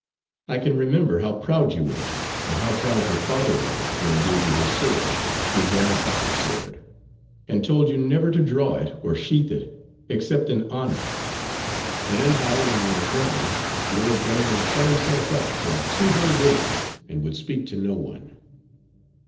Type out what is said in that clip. I can remember how proud you were, and how proud your father was, when he gave you his sword your grandfather's sword, and told you never to draw it or sheath it, except in honour; and how, when you were gone, the old gentleman shut himself up for two whole days and would speak to no one.